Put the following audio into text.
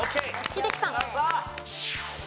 英樹さん。